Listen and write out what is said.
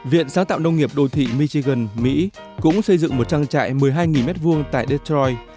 viện sáng tạo nông nghiệp đô thị michigan cũng xây dựng một trang trại một mươi hai m hai tại detroit